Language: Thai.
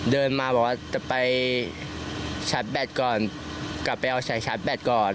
เดินมาต้องไปช้าแบ๊ดก่อนกลับมาเอาช้าแบ๊ดก่อน